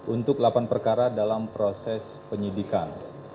untuk delapan perkara dalam proses penyidikan